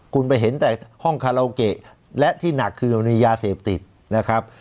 คุณไปเห็นแต่ห้องคาราโอเกะและที่หนักคือมันมียาเสพติดนะครับ